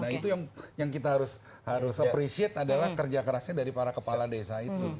nah itu yang kita harus appreciate adalah kerja kerasnya dari para kepala desa itu